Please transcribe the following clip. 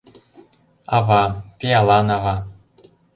Ава, пиалан ава.